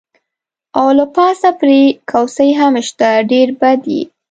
او له پاسه پرې کوسۍ هم شته، ډېر بد یې.